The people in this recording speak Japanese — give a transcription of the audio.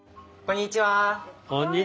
こんにちは。